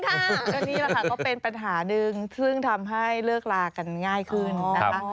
ก็นี่แหละค่ะก็เป็นปัญหาหนึ่งซึ่งทำให้เลิกลากันง่ายขึ้นนะคะ